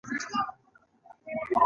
ټول د يوه نر او ښځې اولاده دي.